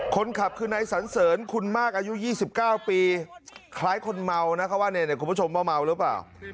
คนขับคืนในนั้นสันเสริญคุณมากอายุ๒๙ปีคล้ายคนเมานะเขาว่าคุณผู้ชมเมาหรือเปล่า